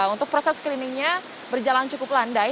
untuk proses screeningnya berjalan cukup landai